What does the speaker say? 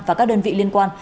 và các đơn vị liên quan